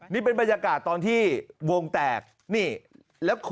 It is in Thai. นี่เป็นบรรยากาศตอนที่วงแตก